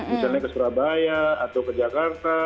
misalnya ke surabaya atau ke jakarta